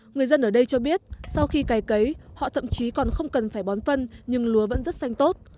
người dân ở đây cho biết sau khi cày cấy họ thậm chí còn không cần phải bón phân nhưng lúa vẫn rất xanh tốt